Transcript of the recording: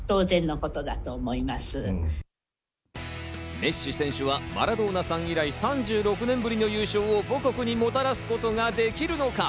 メッシ選手はマラドーナさん以来、３６年ぶりの優勝を母国にもたらすことができるのか？